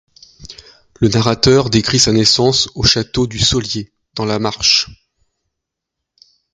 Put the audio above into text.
Le narrateur décrit sa naissance au château du Solier, dans la Marche.